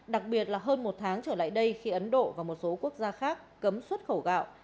đặc biệt là hơn một tháng trở lại đây khi ấn độ và một số quốc gia khác cấm xuất khẩu gạo